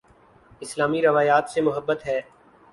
اسلامی روایات سے محبت ہے